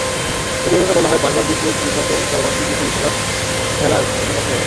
প্রতিবেদনে বলা হয়, বারবার বিদ্যুৎ-বিভ্রাটে চলমান টি-টোয়েন্টি বিশ্বকাপ খেলার ছন্দ নষ্ট হয়।